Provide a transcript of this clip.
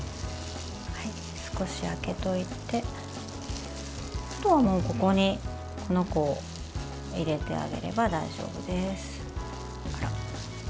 少し開けておいてあとはもう、ここにこの子を入れてあげれば大丈夫です。